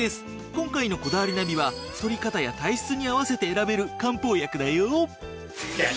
今回の『こだわりナビ』は太り方や体質に合わせて選べる漢方薬だよ。